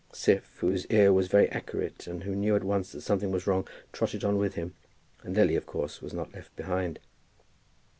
Siph, whose ear was very accurate, and who knew at once that something was wrong, trotted on with him, and Lily, of course, was not left behind.